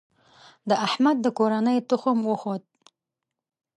د احمد د کورنۍ تخم وخوت.